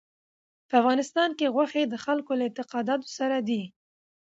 په افغانستان کې غوښې د خلکو له اعتقاداتو سره دي.